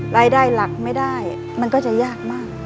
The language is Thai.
รายได้หลักไม่ได้มันก็จะยากมาก